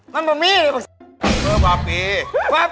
ครับพี่ครับพี่ครับ